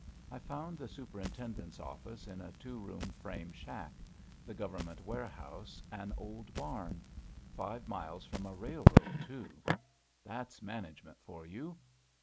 I found the superintendent's office in a two room frame shack; the Government warehouse an old barn: five miles from a railroad, too. That's management for you!